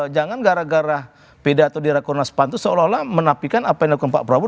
jangan gara gara pidato di rakornas pan itu seolah olah menapikan apa yang dilakukan pak prabowo